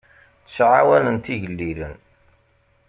Ttɛawanent igellilen.